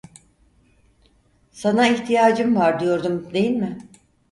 Sana ihtiyacım var diyordum değil mi?